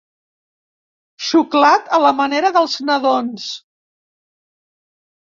Xuclat a la manera dels nadons.